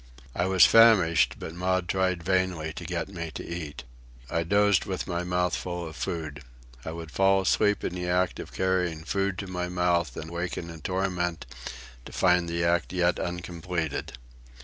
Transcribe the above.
I was famished, but Maud tried vainly to get me to eat. I dozed with my mouth full of food. I would fall asleep in the act of carrying food to my mouth and waken in torment to find the act yet uncompleted.